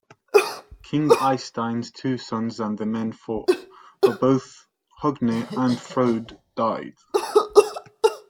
King Eystein's two sons and their men fought, but both Hogne and Frode died.